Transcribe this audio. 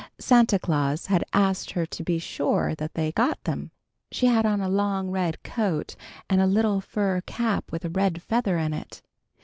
Santa Claus had asked her to be sure that they got them. She had on a long red coat and a little fur cap with a red feather in it.